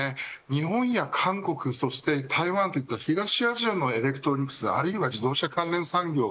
日本や韓国そして台湾といった東アジアのエレクトロニクスあるいは自動車関連産業